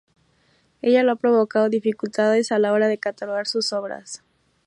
Ello ha provocado dificultades a la hora de catalogar sus obras.